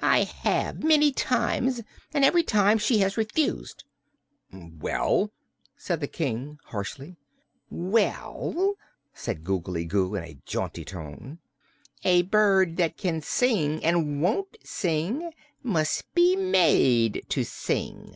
"I have, many times; and every time she has refused." "Well?" said the King harshly. "Well," said Googly Goo in a jaunty tone, "a bird that can sing, and won't sing, must be made to sing."